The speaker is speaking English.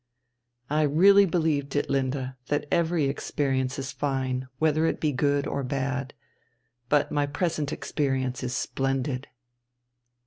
"I really believe, Ditlinde, that every experience is fine, whether it be good or bad. But my present experience is splendid."